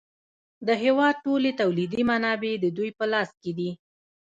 د هېواد ټولې تولیدي منابع د دوی په لاس کې دي